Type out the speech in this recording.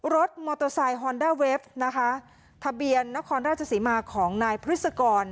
รถมอเตอร์ไซค์ฮอนด้าเวฟนะคะทะเบียนนครราชสีมาของนายพฤษกร